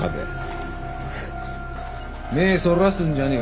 目ぇそらすんじゃねえ。